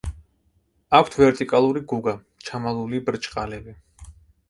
აქვთ ვერტიკალური გუგა, ჩამალული ბრჭყალები.